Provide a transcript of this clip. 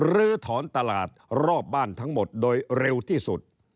ลื้อถอนตลาดรอบบ้านทั้งหมดโดยเร็วที่สุด